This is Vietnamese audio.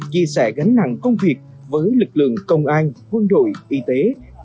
chia sẻ gánh nặng công việc với lực lượng công an quân đội y tế